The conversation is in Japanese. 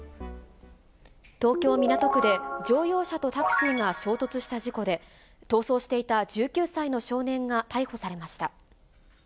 東京・港区で乗用車とタクシーが衝突した事故で、逃走していた１９歳の少年が逮捕されました。